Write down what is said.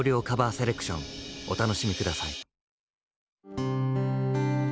セレクションお楽しみください。